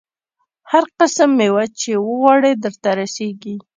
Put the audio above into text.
هر قسم مېوه چې وغواړې درته رسېږي.